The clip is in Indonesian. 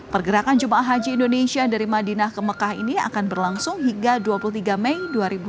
pergerakan jemaah haji indonesia dari madinah ke mekah ini akan berlangsung hingga dua puluh tiga mei dua ribu dua puluh